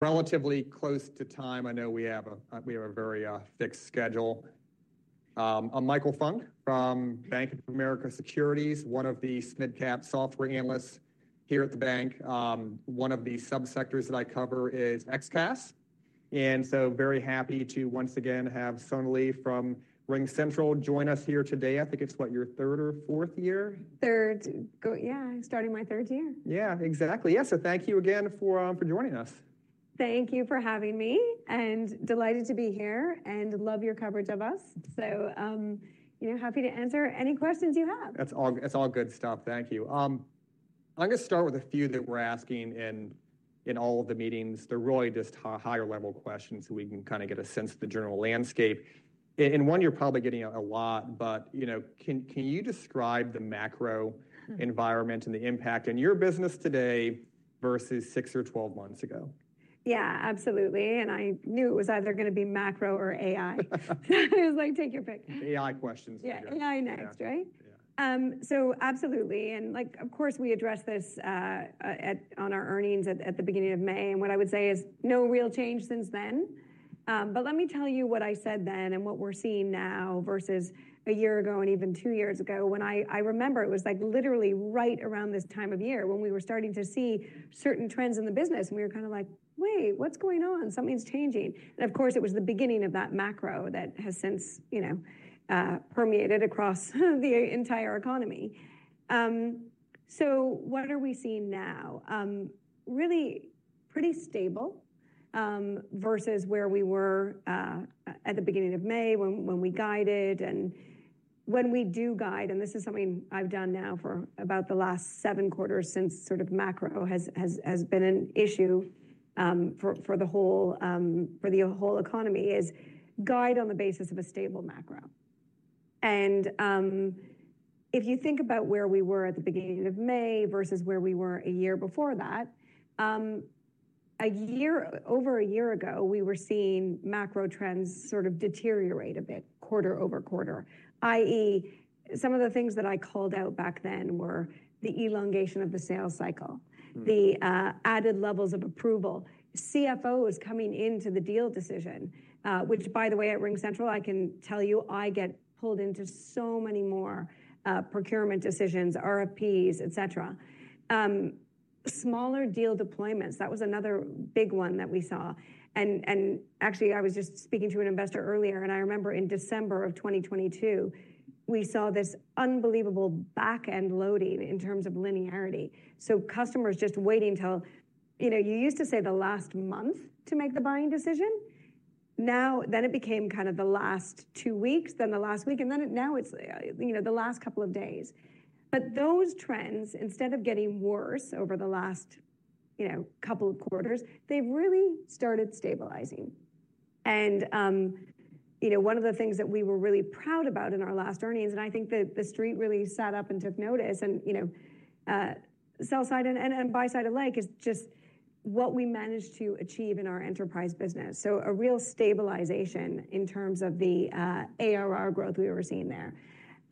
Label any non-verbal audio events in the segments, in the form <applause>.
Relatively close to time. I know we have a very fixed schedule. I'm Michael Funk from Bank of America Securities, one of the mid-cap software analysts here at the bank. One of the subsectors that I cover is XCaaS. So very happy to once again have Sonalee from RingCentral join us here today. I think it's, what, your third or fourth year? Third. Go, yeah, starting my third year. Yeah, exactly. Yeah, so thank you again for joining us. Thank you for having me, and delighted to be here, and love your coverage of us. So, you know, happy to answer any questions you have. That's all, it's all good stuff. Thank you. I'm gonna start with a few that we're asking in all of the meetings. They're really just higher level questions, so we can kinda get a sense of the general landscape. And one you're probably getting a lot, but, you know, can you describe the macro- Mm-hmm <crosstalk> environment and the impact in your business today versus 6 or 12 months ago? Yeah, absolutely, and I knew it was either gonna be macro or AI. It was like, take your pick. AI questions. Yeah, AI next, right? Yeah. So absolutely, and, like, of course, we addressed this on our earnings at the beginning of May, and what I would say is, no real change since then. But let me tell you what I said then and what we're seeing now versus a year ago and even two years ago, when I remember it was, like, literally right around this time of year when we were starting to see certain trends in the business, and we were kinda like: Wait, what's going on? Something's changing. And of course, it was the beginning of that macro that has since, you know, permeated across the entire economy. So what are we seeing now? Really pretty stable versus where we were at the beginning of May when we guided. And when we do guide, and this is something I've done now for about the last 7 quarters since sort of macro has been an issue for the whole economy, is guide on the basis of a stable macro. And if you think about where we were at the beginning of May versus where we were a year before that, over a year ago, we were seeing macro trends sort of deteriorate a bit quarter-over-quarter, i.e., some of the things that I called out back then were the elongation of the sales cycle- Mm <crosstalk> the added levels of approval, CFOs coming into the deal decision, which, by the way, at RingCentral, I can tell you, I get pulled into so many more procurement decisions, RFPs, et cetera. Smaller deal deployments, that was another big one that we saw. And actually, I was just speaking to an investor earlier, and I remember in December of 2022, we saw this unbelievable back-end loading in terms of linearity, so customers just waiting till... You know, you used to say the last month to make the buying decision. Now, then it became kind of the last two weeks, then the last week, and then it, now it's, you know, the last couple of days. But those trends, instead of getting worse over the last, you know, couple of quarters, they've really started stabilizing. You know, one of the things that we were really proud about in our last earnings, and I think that the Street really sat up and took notice, and, you know, sell side and buy side alike, is just what we managed to achieve in our enterprise business. So a real stabilization in terms of the ARR growth we were seeing there.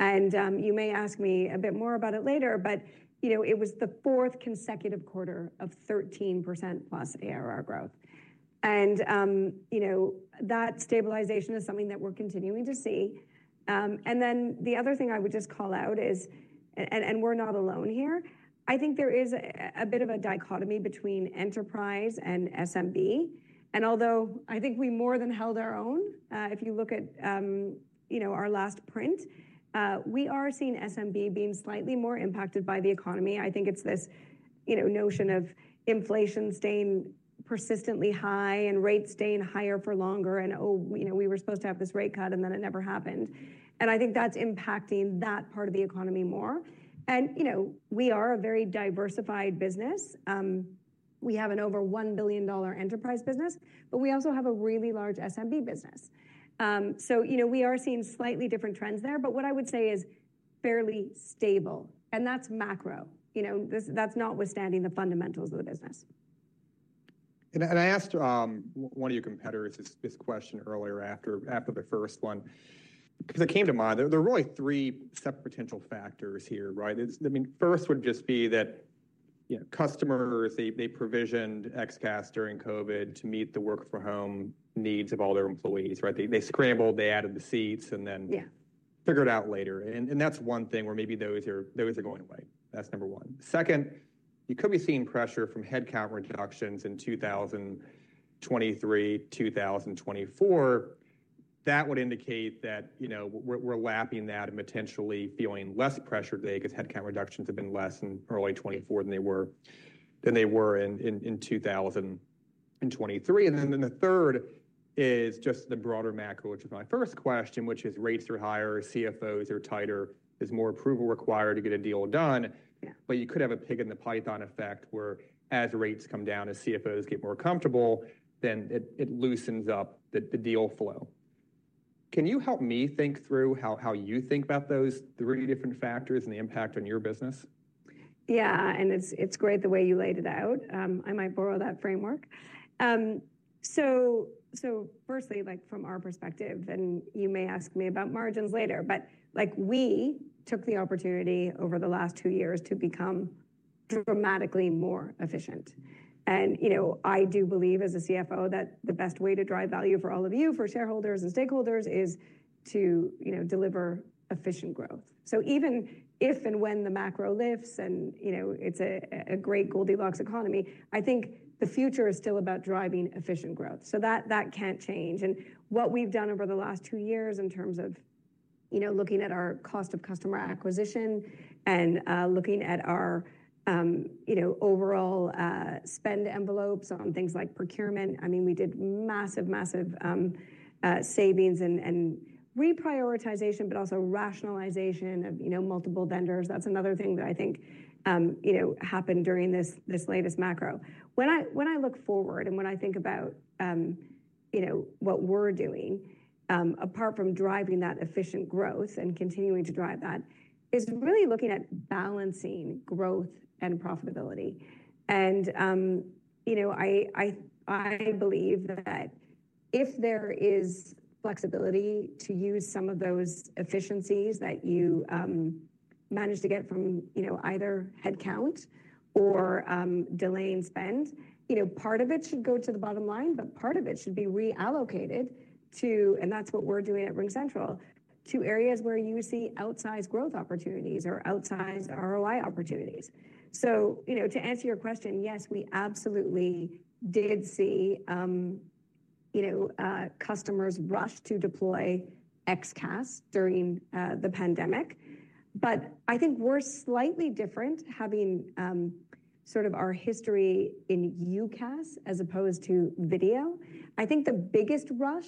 And, you may ask me a bit more about it later, but, you know, it was the fourth consecutive quarter of 13%+ ARR growth. And, you know, that stabilization is something that we're continuing to see. And then the other thing I would just call out is, and we're not alone here, I think there is a bit of a dichotomy between enterprise and SMB. Although I think we more than held our own, if you look at, you know, our last print, we are seeing SMB being slightly more impacted by the economy. I think it's this, you know, notion of inflation staying persistently high and rates staying higher for longer, and, oh, you know, we were supposed to have this rate cut, and then it never happened. I think that's impacting that part of the economy more. You know, we are a very diversified business. We have an over $1 billion enterprise business, but we also have a really large SMB business. So, you know, we are seeing slightly different trends there, but what I would say is fairly stable, and that's macro. You know, this, that's notwithstanding the fundamentals of the business. I asked one of your competitors this question earlier after the first one, 'cause it came to mind. There are really three separate potential factors here, right? It's, I mean, first would just be that, you know, customers they provisioned XCaaS during COVID to meet the work from home needs of all their employees, right? They scrambled, they added the seats, and then- Yeah <crosstalk> figured it out later. And that's one thing where maybe those are, those are going away. That's number one. Second, you could be seeing pressure from headcount reductions in 2023, 2024. That would indicate that, you know, we're lapping that and potentially feeling less pressure today because headcount reductions have been less in early 2024 than they were in 2023. And then the third is just the broader macro, which is my first question, which is rates are higher, CFOs are tighter. There's more approval required to get a deal done. Yeah. <crosstalk> But you could have a pig in the python effect, whereas rates come down, as CFOs get more comfortable, then it loosens up the deal flow. Can you help me think through how you think about those three different factors and the impact on your business? Yeah, and it's great the way you laid it out. I might borrow that framework. So firstly, like from our perspective, and you may ask me about margins later, but like, we took the opportunity over the last two years to become dramatically more efficient. And, you know, I do believe as a CFO, that the best way to drive value for all of you, for shareholders and stakeholders, is to, you know, deliver efficient growth. So even if and when the macro lifts and, you know, it's a great Goldilocks economy, I think the future is still about driving efficient growth. So that, that can't change. What we've done over the last two years in terms of, you know, looking at our cost of customer acquisition and looking at our, you know, overall spend envelopes on things like procurement, I mean, we did massive, massive savings and reprioritization, but also rationalization of, you know, multiple vendors. That's another thing that I think, you know, happened during this, this latest macro. When I look forward and when I think about, you know, what we're doing, apart from driving that efficient growth and continuing to drive that, is really looking at balancing growth and profitability. You know, I believe that if there is flexibility to use some of those efficiencies that you managed to get from, you know, either headcount or delaying spend, you know, part of it should go to the bottom line, but part of it should be reallocated to. That's what we're doing at RingCentral, to areas where you see outsized growth opportunities or outsized ROI opportunities. So, you know, to answer your question, yes, we absolutely did see, you know, customers rush to deploy XCaaS during the pandemic. But I think we're slightly different having sort of our history in UCaaS as opposed to video. I think the biggest rush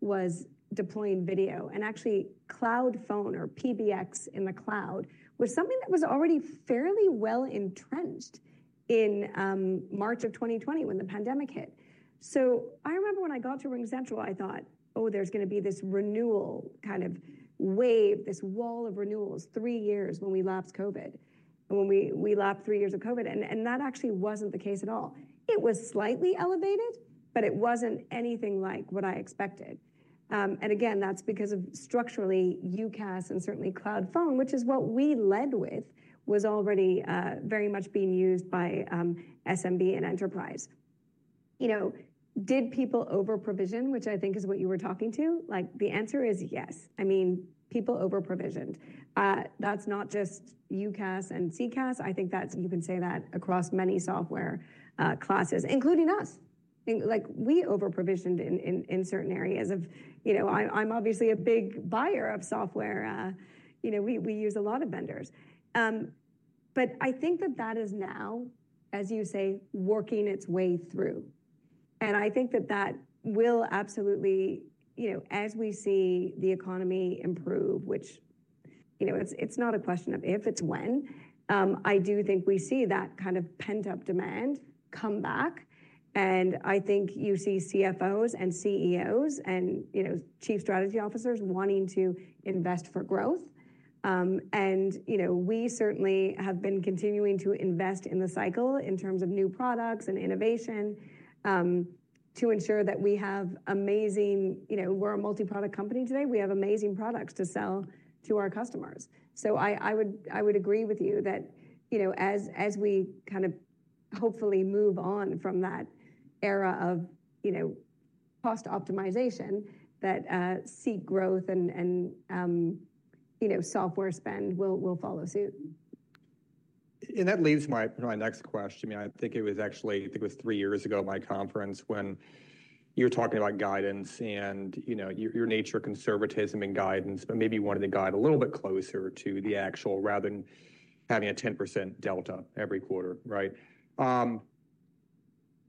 was deploying video and actually cloud phone or PBX in the cloud, was something that was already fairly well entrenched in March of 2020 when the pandemic hit. So I remember when I got to RingCentral, I thought, "Oh, there's gonna be this renewal kind of wave, this wall of renewals, three years when we lapse COVID, and when we lapse three years of COVID." And that actually wasn't the case at all. It was slightly elevated, but it wasn't anything like what I expected. And again, that's because of structurally, UCaaS and certainly cloud phone, which is what we led with, was already very much being used by SMB and enterprise. You know, did people over-provision, which I think is what you were talking to? Like, the answer is yes. I mean, people over-provisioned. That's not just UCaaS and CCaaS. I think that's. You can say that across many software classes, including us. Like, we over-provisioned in certain areas of—you know, I'm obviously a big buyer of software. You know, we use a lot of vendors. But I think that that is now, as you say, working its way through. And I think that that will absolutely, you know, as we see the economy improve, which, you know, it's not a question of if, it's when, I do think we see that kind of pent-up demand come back, and I think you see CFOs and CEOs and, you know, chief strategy officers wanting to invest for growth. And, you know, we certainly have been continuing to invest in the cycle in terms of new products and innovation, to ensure that we have amazing... You know, we're a multi-product company today. We have amazing products to sell to our customers. So I, I would, I would agree with you that, you know, as, as we kind of hopefully move on from that era of, you know, cost optimization, that seat growth and, and, you know, software spend will, will follow suit. That leads my, my next question. I think it was actually, I think it was three years ago at my conference when you were talking about guidance and, you know, your, your nature, conservatism and guidance, but maybe you wanted to guide a little bit closer to the actual, rather than having a 10% delta every quarter, right?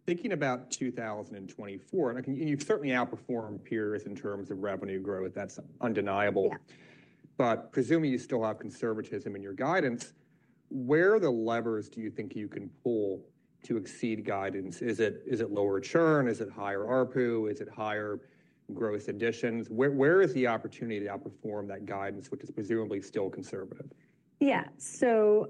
Thinking about 2024, and I can-- you've certainly outperformed peers in terms of revenue growth. That's undeniable. Yeah. But presumably, you still have conservatism in your guidance. Where are the levers do you think you can pull to exceed guidance? Is it, is it lower churn? Is it higher ARPU? Is it higher growth additions? Where, where is the opportunity to outperform that guidance, which is presumably still conservative? Yeah. So,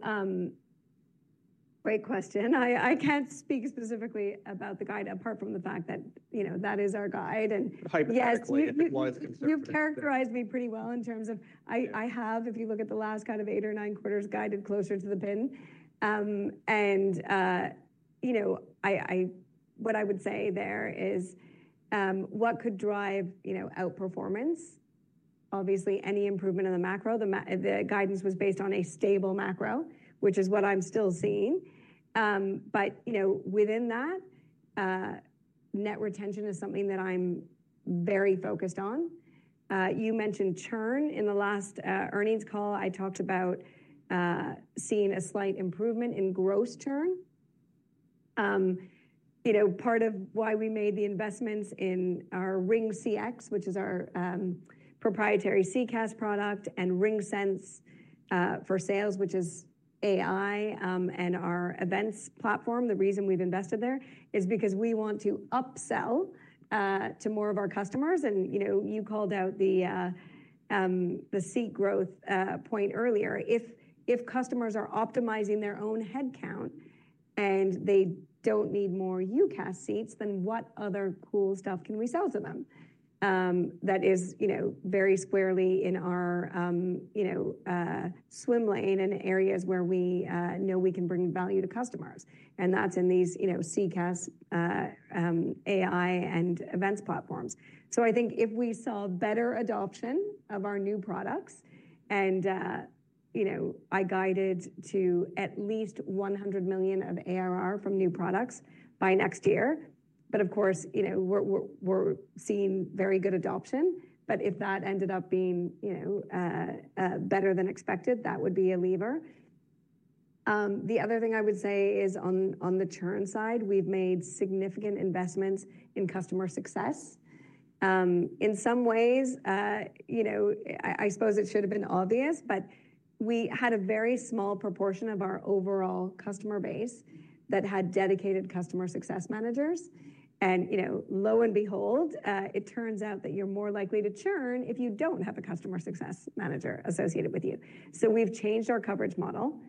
great question. I can't speak specifically about the guide, apart from the fact that, you know, that is our guide and- Hypothetically, why it's conservative? You've characterized me pretty well in terms of- Yeah. <crosstalk> I have, if you look at the last kind of eight or nine quarters, guided closer to the pin. And, you know, what I would say there is, what could drive, you know, outperformance? Obviously, any improvement in the macro. The guidance was based on a stable macro, which is what I'm still seeing. But, you know, within that, net retention is something that I'm very focused on. You mentioned churn. In the last earnings call, I talked about seeing a slight improvement in gross churn. You know, part of why we made the investments in our RingCX, which is our proprietary CCaaS product, and RingSense for Sales, which is AI, and our events platform, the reason we've invested there, is because we want to upsell to more of our customers. You know, you called out the seat growth point earlier. If customers are optimizing their own headcount and they don't need more UCaaS seats, then what other cool stuff can we sell to them? That is, you know, very squarely in our swim lane and areas where we know we can bring value to customers, and that's in these, you know, CCaaS, AI and events platforms. So I think if we saw better adoption of our new products and, you know, I guided to at least $100 million of ARR from new products by next year. But of course, you know, we're seeing very good adoption. But if that ended up being, you know, better than expected, that would be a lever. The other thing I would say is on the churn side, we've made significant investments in customer success. In some ways, you know, I suppose it should have been obvious, but we had a very small proportion of our overall customer base that had dedicated customer success managers. And, you know, lo and behold, it turns out that you're more likely to churn if you don't have a customer success manager associated with you. So we've changed our coverage model.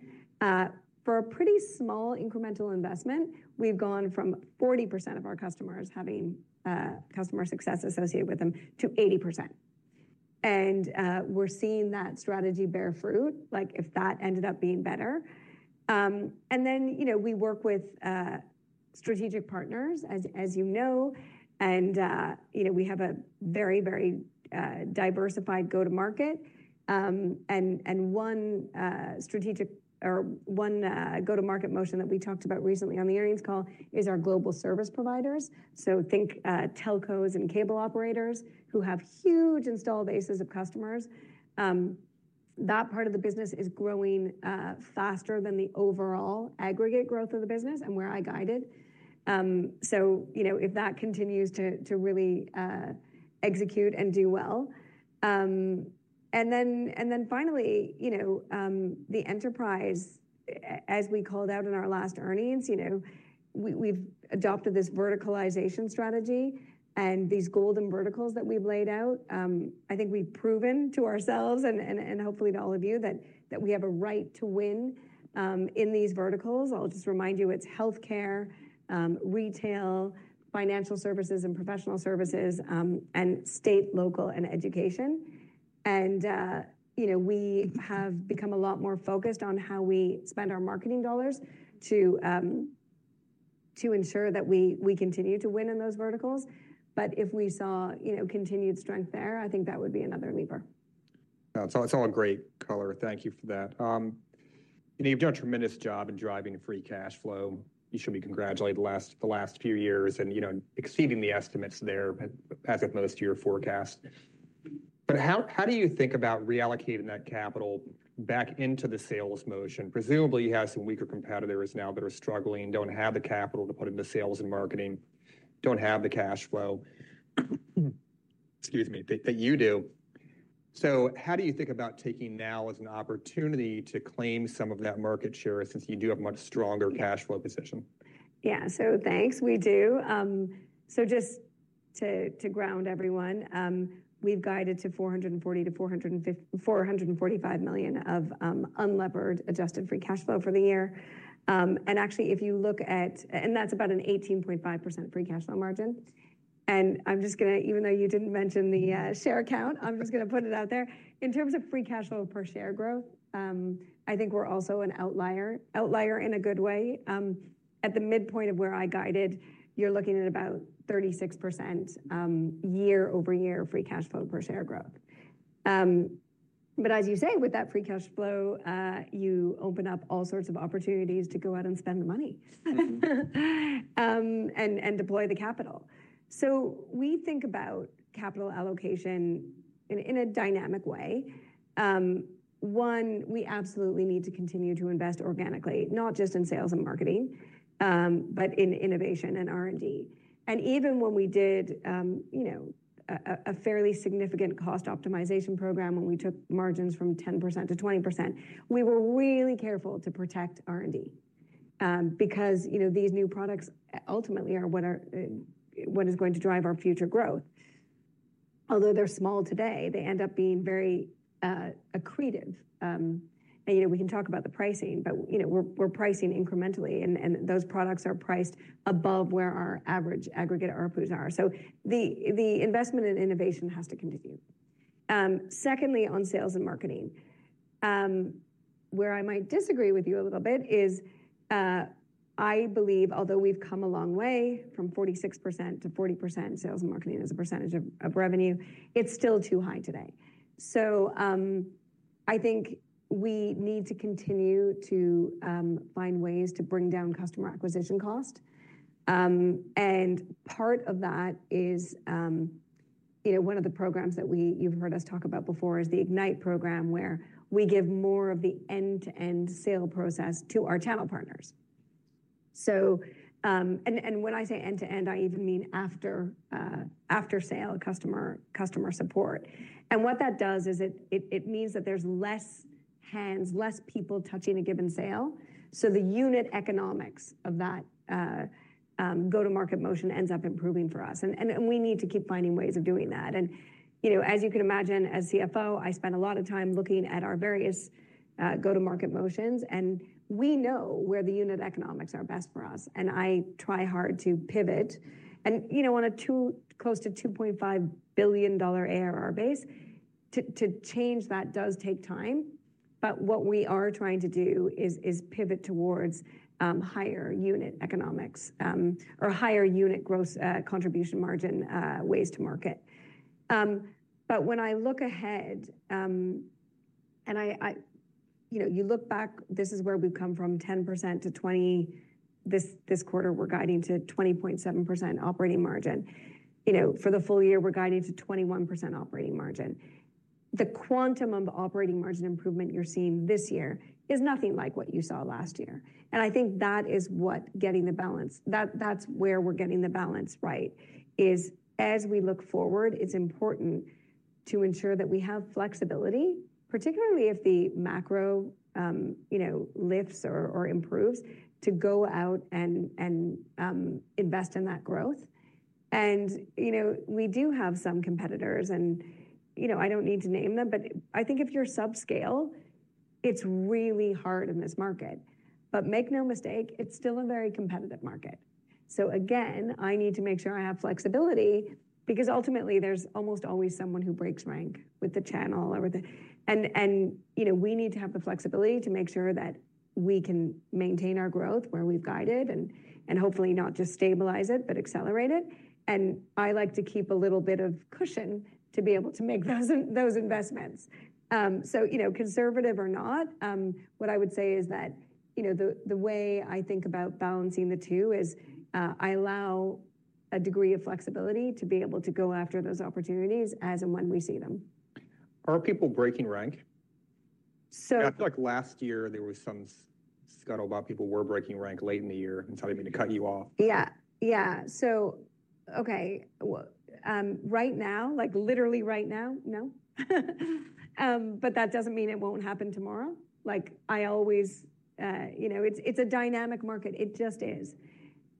For a pretty small incremental investment, we've gone from 40% of our customers having customer success associated with them to 80%. And, we're seeing that strategy bear fruit, like, if that ended up being better. And then, you know, we work with strategic partners, as you know, and you know, we have a very, very diversified go-to-market. And one strategic or one go-to-market motion that we talked about recently on the earnings call is our global service providers. So think telcos and cable operators who have huge installed bases of customers. That part of the business is growing faster than the overall aggregate growth of the business and where I guided. So you know, if that continues to really execute and do well. And then finally, you know, the enterprise, as we called out in our last earnings, you know, we we've adopted this verticalization strategy and these golden verticals that we've laid out. I think we've proven to ourselves and hopefully to all of you, that we have a right to win in these verticals. I'll just remind you, it's healthcare, retail, financial services and professional services, and state, local, and education. And you know, we have become a lot more focused on how we spend our marketing dollars to ensure that we continue to win in those verticals. But if we saw, you know, continued strength there, I think that would be another lever. Yeah, it's all a great color. Thank you for that. And you've done a tremendous job in driving free cash flow. You should be congratulated the last few years and, you know, exceeding the estimates there as of most of your forecast. But how do you think about reallocating that capital back into the sales motion? Presumably, you have some weaker competitors now that are struggling and don't have the capital to put into sales and marketing, don't have the cash flow, excuse me, that you do. So how do you think about taking now as an opportunity to claim some of that market share, since you do have a much stronger cash flow position? Yeah. So thanks. We do. So just to ground everyone, we've guided to $440 million-$450 million -- $445 million of unlevered adjusted free cash flow for the year. And actually, if you look at. And that's about an 18.5% free cash flow margin. And I'm just gonna -- even though you didn't mention the share count, I'm just gonna put it out there. In terms of free cash flow per share growth, I think we're also an outlier. Outlier in a good way. At the midpoint of where I guided, you're looking at about 36%, year-over-year free cash flow per share growth. But as you say, with that free cash flow, you open up all sorts of opportunities to go out and spend the money, and deploy the capital. So we think about capital allocation in a dynamic way. One, we absolutely need to continue to invest organically, not just in sales and marketing, but in innovation and R&D. And even when we did, you know, a fairly significant cost optimization program, when we took margins from 10% to 20%, we were really careful to protect R&D, because, you know, these new products ultimately are what is going to drive our future growth. Although they're small today, they end up being very accretive. And you know, we can talk about the pricing, but, you know, we're pricing incrementally, and those products are priced above where our average aggregate ARPUs are. So the investment in innovation has to continue. Secondly, on sales and marketing, where I might disagree with you a little bit is, I believe, although we've come a long way from 46% to 40% sales and marketing as a percentage of revenue, it's still too high today. So, I think we need to continue to find ways to bring down customer acquisition cost. And part of that is, you know, one of the programs that you've heard us talk about before is the Ignite program, where we give more of the end-to-end sale process to our channel partners. So... And when I say end to end, I even mean after-sale customer support. And what that does is it means that there's less hands, less people touching a given sale. So the unit economics of that go-to-market motion ends up improving for us, and we need to keep finding ways of doing that. And, you know, as you can imagine, as CFO, I spend a lot of time looking at our various go-to-market motions, and we know where the unit economics are best for us, and I try hard to pivot. You know, on a 2 - close to $2.5 billion ARR base, to change that does take time, but what we are trying to do is pivot towards higher unit economics, or higher unit gross contribution margin ways to market. But when I look ahead, and I - you know, you look back, this is where we've come from, 10%-20%. This quarter, we're guiding to 20.7% operating margin. You know, for the full year, we're guiding to 21% operating margin. The quantum of operating margin improvement you're seeing this year is nothing like what you saw last year. And I think that is what getting the balance. That, that's where we're getting the balance right, is as we look forward, it's important to ensure that we have flexibility, particularly if the macro, you know, lifts or, or improves, to go out and, and, invest in that growth. And, you know, we do have some competitors and, you know, I don't need to name them, but I think if you're subscale, it's really hard in this market. But make no mistake, it's still a very competitive market. So again, I need to make sure I have flexibility because ultimately there's almost always someone who breaks rank with the channel or with the... And, and, you know, we need to have the flexibility to make sure that we can maintain our growth where we've guided, and, and hopefully not just stabilize it, but accelerate it. I like to keep a little bit of cushion to be able to make those investments. So, you know, conservative or not, what I would say is that, you know, the way I think about balancing the two is, I allow a degree of flexibility to be able to go after those opportunities as and when we see them. Are people breaking rank? So- <crosstalk> I feel like last year there was some scuttlebutt about people breaking rank late in the year and telling me to cut you off. Yeah, yeah. So, okay, well, right now, like literally right now, no. But that doesn't mean it won't happen tomorrow. Like, I always, you know, it's, it's a dynamic market. It just is.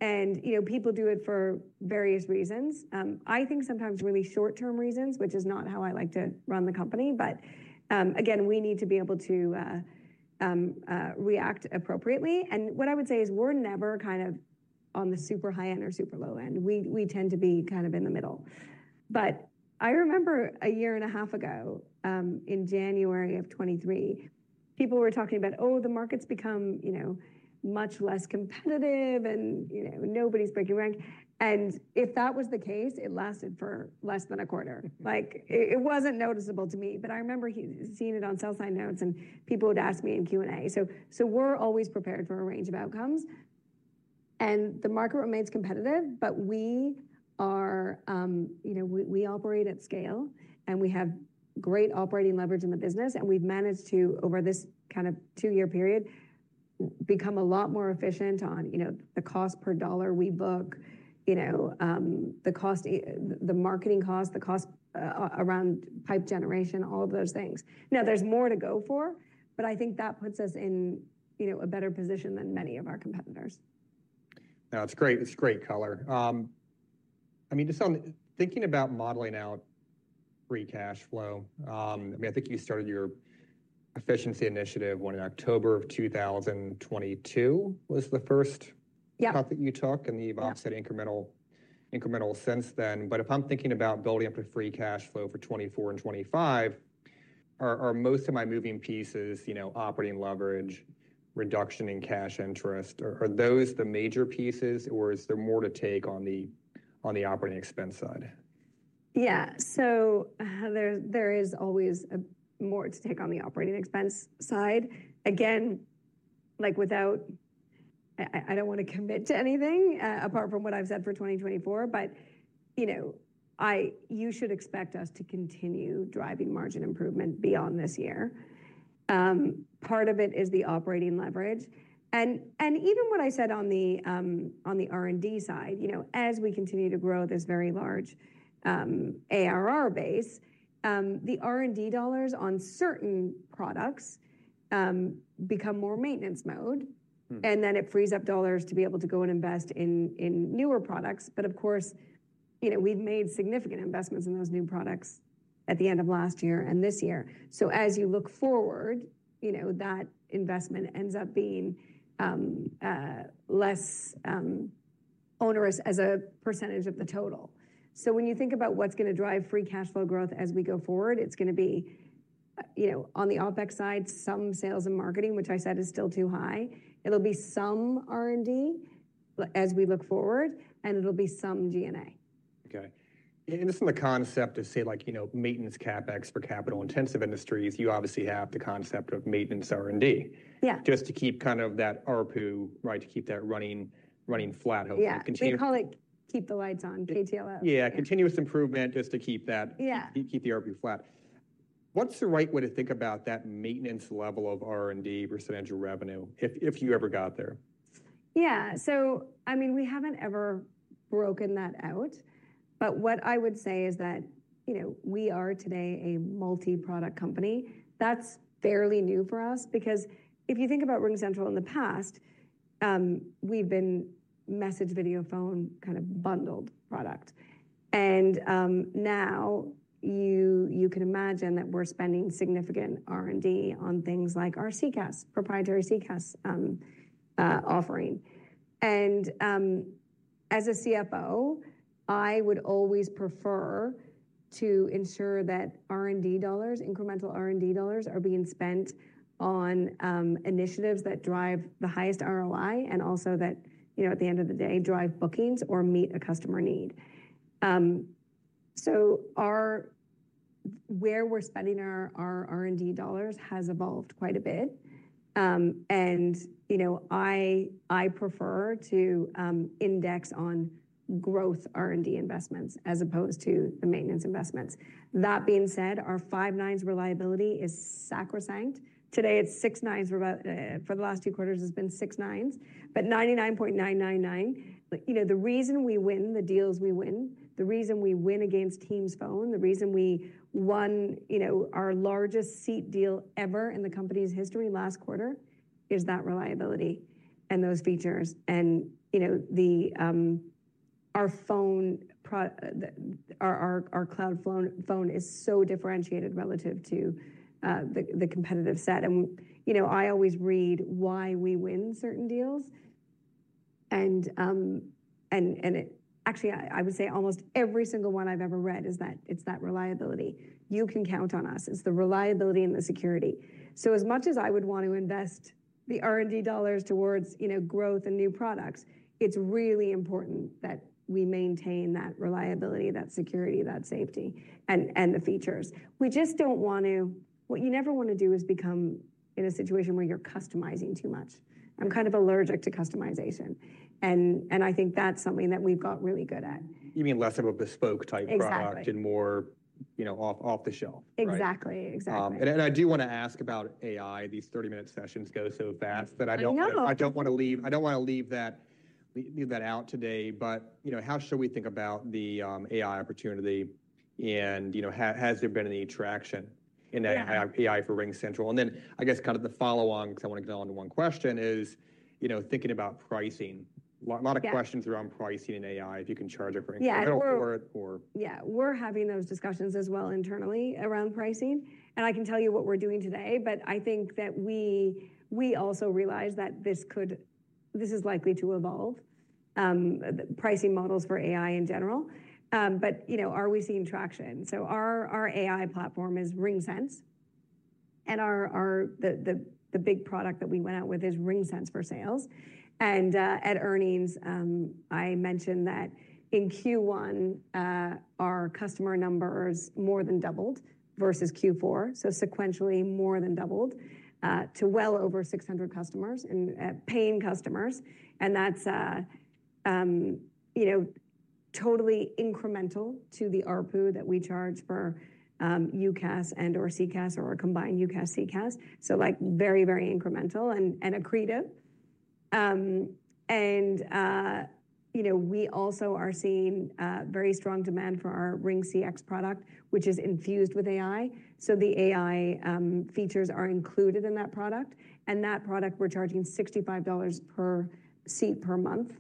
And, you know, people do it for various reasons. I think sometimes really short-term reasons, which is not how I like to run the company, but, again, we need to be able to react appropriately. And what I would say is we're never kind of on the super high end or super low end. We, we tend to be kind of in the middle. But I remember a year and a half ago, in January of 2023, people were talking about, "Oh, the market's become, you know, much less competitive, and, you know, nobody's breaking rank." And if that was the case, it lasted for less than a quarter. Like, it, it wasn't noticeable to me, but I remember hearing it on sell-side notes, and people would ask me in Q&A. So, so we're always prepared for a range of outcomes, and the market remains competitive, but we are, you know, we, we operate at scale, and we have great operating leverage in the business, and we've managed to, over this kind of 2-year period, become a lot more efficient on, you know, the cost per dollar we book, you know, the cost, the marketing cost, the cost, around pipe generation, all of those things. Now, there's more to go for, but I think that puts us in, you know, a better position than many of our competitors. Now, it's great, it's great color. I mean, just on thinking about modeling out free cash flow, I mean, I think you started your efficiency initiative when in October of 2022 was the first- Yeah... <crosstalk> path that you took, and you've- Yeah <crosstalk> Offset incremental, incremental since then. But if I'm thinking about building up a free cash flow for 2024 and 2025, are most of my moving pieces, you know, operating leverage, reduction in cash interest? Or are those the major pieces, or is there more to take on the, on the operating expense side? Yeah. So, there is always a more to take on the operating expense side. Again, like, without I don't want to commit to anything, apart from what I've said for 2024, but, you know, I you should expect us to continue driving margin improvement beyond this year. Part of it is the operating leverage. Even what I said on the R&D side, you know, as we continue to grow this very large ARR base, the R&D dollars on certain products become more maintenance mode- Mm <crosstalk> and then it frees up dollars to be able to go and invest in newer products. But of course, you know, we've made significant investments in those new products at the end of last year and this year. So as you look forward, you know, that investment ends up being less onerous as a percentage of the total. So when you think about what's gonna drive free cash flow growth as we go forward, it's gonna be, you know, on the OpEx side, some sales and marketing, which I said is still too high. It'll be some R&D as we look forward, and it'll be some G&A. Okay. This is the concept of, say, like, you know, maintenance CapEx for capital-intensive industries. You obviously have the concept of maintenance R&D. Yeah. Just to keep kind of that ARPU, right, to keep that running, running flat, hopefully. Yeah. Continue- We call it Keep the Lights On, KTLO. Yeah, continuous improvement, just to keep that- Yeah... keep the ARPU flat. What's the right way to think about that maintenance level of R&D versus actual revenue, if you ever got there?... Yeah, so I mean, we haven't ever broken that out, but what I would say is that, you know, we are today a multi-product company. That's fairly new for us, because if you think about RingCentral in the past, we've been message, video, phone, kind of bundled product. And now you can imagine that we're spending significant R&D on things like our CCaaS, proprietary CCaaS offering. And as a CFO, I would always prefer to ensure that R&D dollars, incremental R&D dollars, are being spent on initiatives that drive the highest ROI, and also that, you know, at the end of the day, drive bookings or meet a customer need. So where we're spending our R&D dollars has evolved quite a bit. And, you know, I prefer to index on growth R&D investments as opposed to the maintenance investments. That being said, our five nines reliability is sacrosanct. Today, it's six nines for the last two quarters, it's been six nines, but 99.999. But you know, the reason we win the deals we win, the reason we win against Teams Phone, the reason we won, you know, our largest seat deal ever in the company's history last quarter, is that reliability and those features. And, you know, our cloud phone is so differentiated relative to the competitive set. And, you know, I always read why we win certain deals, and actually, I would say almost every single one I've ever read is that, it's that reliability. You can count on us. It's the reliability and the security. So as much as I would want to invest the R&D dollars towards, you know, growth and new products, it's really important that we maintain that reliability, that security, that safety, and, and the features. We just don't want to. What you never wanna do is become in a situation where you're customizing too much. I'm kind of allergic to customization, and, and I think that's something that we've got really good at. You mean less of a bespoke-type product- Exactly. <crosstalk> and more, you know, off, off the shelf, right? Exactly. Exactly. And I do wanna ask about AI. These 30-minute sessions go so fast- I know! <crosstalk> that I don't wanna leave that out today. But, you know, how should we think about the AI opportunity, and, you know, has there been any traction in that- Yeah <crosstalk> AI for RingCentral? And then I guess kind of the follow on, because I wanna get it all into one question is, you know, thinking about pricing. Yeah. <crosstalk> A lot of questions around pricing and AI, if you can charge a premium for it or- Yeah, we're having those discussions as well internally around pricing, and I can tell you what we're doing today, but I think that we also realize that this could, this is likely to evolve the pricing models for AI in general. But, you know, are we seeing traction? So our AI platform is RingSense, and the big product that we went out with is RingSense for Sales. And at earnings, I mentioned that in Q1 our customer numbers more than doubled versus Q4, so sequentially more than doubled to well over 600 customers, and paying customers. And that's, you know, totally incremental to the ARPU that we charge for UCaaS and/or CCaaS or a combined UCaaS, CCaaS. So, like, very, very incremental and accretive. You know, we also are seeing very strong demand for our RingCX product, which is infused with AI. So the AI features are included in that product, and that product, we're charging $65 per seat per month.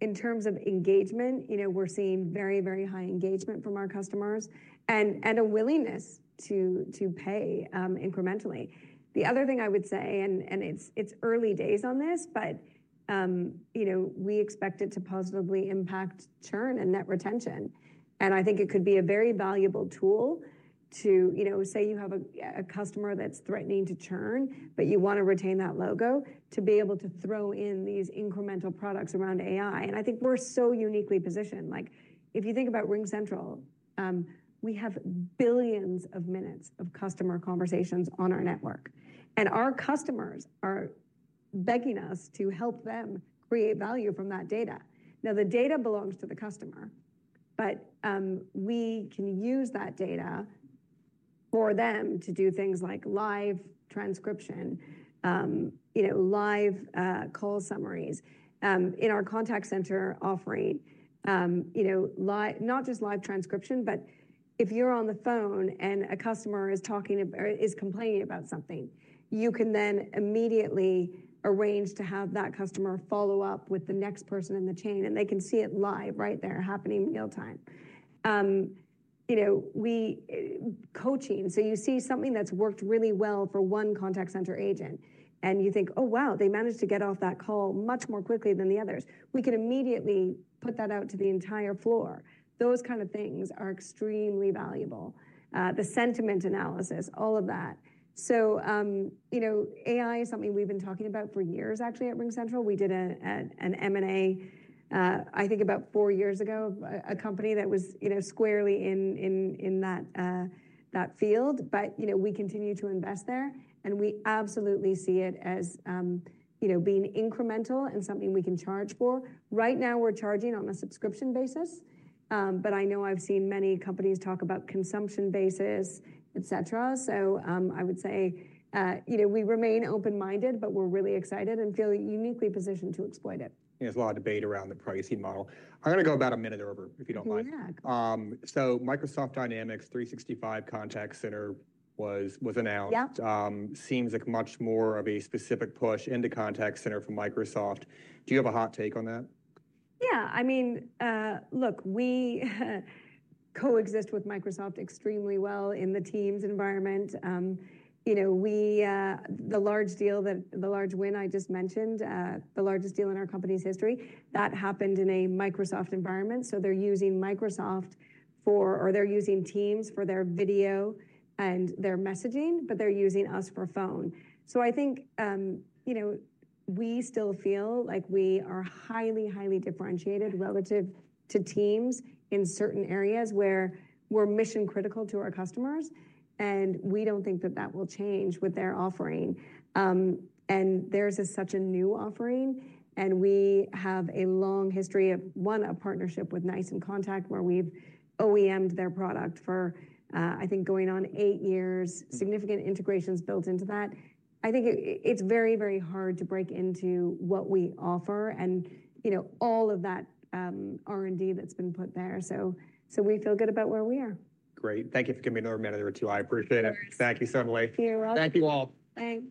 In terms of engagement, you know, we're seeing very, very high engagement from our customers and a willingness to pay incrementally. The other thing I would say, and it's early days on this, but you know, we expect it to positively impact churn and net retention. And I think it could be a very valuable tool to... You know, say you have a customer that's threatening to churn, but you wanna retain that logo, to be able to throw in these incremental products around AI. And I think we're so uniquely positioned. Like, if you think about RingCentral, we have billions of minutes of customer conversations on our network, and our customers are begging us to help them create value from that data. Now, the data belongs to the customer, but we can use that data for them to do things like live transcription, you know, live call summaries in our contact center offering. Not just live transcription, but if you're on the phone and a customer is talking or is complaining about something, you can then immediately arrange to have that customer follow up with the next person in the chain, and they can see it live, right there, happening real time. You know, we... Coaching. So you see something that's worked really well for one contact center agent, and you think: "Oh, wow, they managed to get off that call much more quickly than the others." We can immediately put that out to the entire floor. Those kind of things are extremely valuable. The sentiment analysis, all of that. So, you know, AI is something we've been talking about for years, actually, at RingCentral. We did an M&A, I think about four years ago, a company that was, you know, squarely in that field. But, you know, we continue to invest there, and we absolutely see it as, you know, being incremental and something we can charge for. Right now, we're charging on a subscription basis, but I know I've seen many companies talk about consumption basis, et cetera. I would say, you know, we remain open-minded, but we're really excited and feel uniquely positioned to exploit it. There's a lot of debate around the pricing model. I'm gonna go about a minute over, if you don't mind. Yeah. Microsoft Dynamics 365 Contact Center was announced. Yep. Seems like much more of a specific push into contact center for Microsoft. Do you have a hot take on that? Yeah, I mean, look, we coexist with Microsoft extremely well in the Teams environment. You know, we, the large deal that—the large win I just mentioned, the largest deal in our company's history, that happened in a Microsoft environment, so they're using Microsoft for... or they're using Teams for their video and their messaging, but they're using us for phone. So I think, you know, we still feel like we are highly, highly differentiated relative to Teams in certain areas, where we're mission-critical to our customers, and we don't think that that will change with their offering. And theirs is such a new offering, and we have a long history of, one, a partnership with NICE inContact, where we've OEM'd their product for, I think going on eight years. Significant integrations built into that. I think it, it's very, very hard to break into what we offer and, you know, all of that, R&D that's been put there. So, so we feel good about where we are. Great. Thank you for giving me another minute or two. I appreciate it. Of course. Thank you so much. You're welcome. Thank you, all. Thanks.